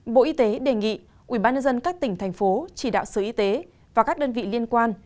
bộ y tế đề nghị ubnd các tỉnh thành phố chỉ đạo sở y tế và các đơn vị liên quan